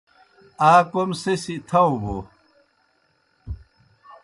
آ کوْم سہ سیْ تھاؤ بوْ